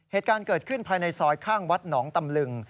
เหตุการณ์เกิดขึ้นภายในซอยข้างวัดหนองตำลึง